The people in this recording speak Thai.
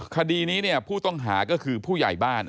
คดีนี้เนี่ยผู้ต้องหาก็คือผู้ใหญ่บ้าน